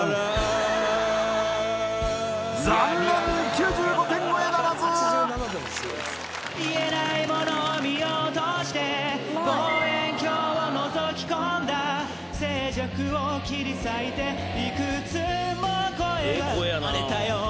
９５点超えならず見えないモノを見ようとして望遠鏡を覗き込んだ静寂を切り裂いていくつも声が生まれたよ